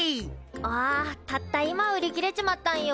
あたった今売り切れちまったんよ。